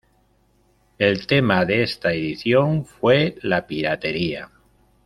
El tema de esta edición fue la Piratería.